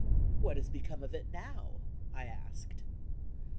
"What has become of it now?" I asked.